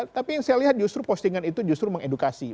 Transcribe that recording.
tapi yang saya lihat justru postingan itu justru mengedukasi